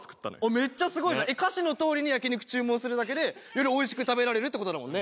めっちゃすごいじゃん歌詞のとおりに焼き肉注文するだけでよりおいしく食べられるってことだもんね